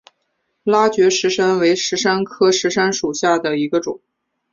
拉觉石杉为石杉科石杉属下的一个种。